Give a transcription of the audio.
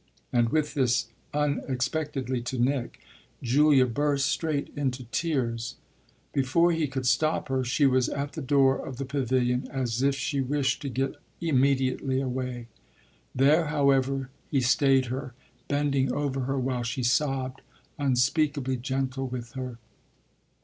And with this, unexpectedly to Nick, Julia burst straight into tears. Before he could stop her she was at the door of the pavilion as if she wished to get immediately away. There, however, he stayed her, bending over her while she sobbed, unspeakably gentle with her.